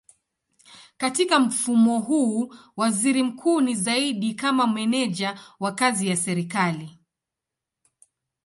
Katika mfumo huu waziri mkuu ni zaidi kama meneja wa kazi ya serikali.